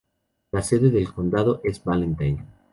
La sede del condado es Valentine.